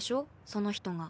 その人が。